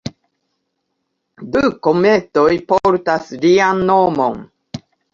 Du kometoj portas lian nomon.